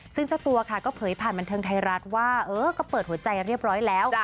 ซึ่งเจ้าตัวค่ะก็เผยผ่านบันเทิงไทยรัฐว่าเออก็เปิดหัวใจเรียบร้อยแล้ว